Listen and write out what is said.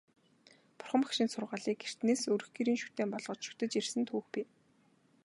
Бурхан Багшийн сургаалыг эртнээс өрх гэрийн шүтээн болгож шүтэж ирсэн түүх бий.